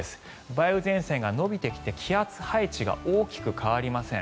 梅雨前線が延びてきて気圧配置が大きく変わりません。